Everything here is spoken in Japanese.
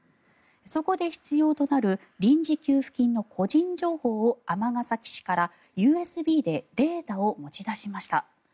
そこで必要となる臨時給付金の個人情報を尼崎市からＵＳＢでデータを持ち出しました。